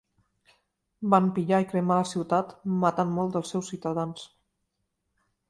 Van pillar i cremar la ciutat, matant molts dels seus ciutadans.